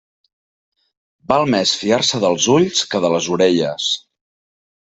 Val més fiar-se dels ulls que de les orelles.